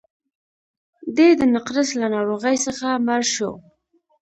دی د نقرس له ناروغۍ څخه مړ شو.